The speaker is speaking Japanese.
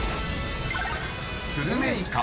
スルメイカ？